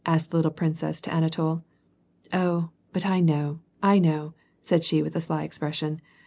" asked the little princess, of Anatol. " Oh ! but I know, I know," said i lio, with a sly expression.